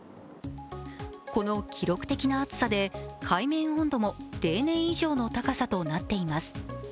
この記録的な暑さで海面温度も例年以上の高さとなっています。